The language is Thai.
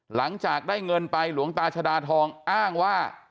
หลังจากได้เงินไปหลวงตาชดาทองอ้างว่า